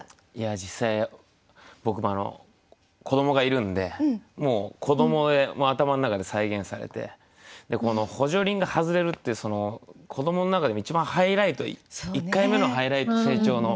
実際僕も子どもがいるんでもう子どもで頭の中で再現されてこの補助輪が外れるって子どもの中でも一番ハイライト１回目のハイライト成長の。